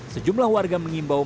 sejumlah warga mengimbau mereka